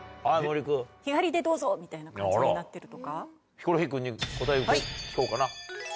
ヒコロヒー君に答えを聞こうかな。